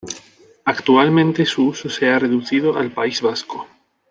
Actualmente su uso se ha reducido al País Vasco.